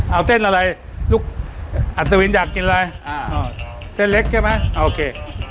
เอาเส้นอะไรลูกอัศวินอยากกินอะไรอ่าเส้นเล็กใช่ไหมโอเค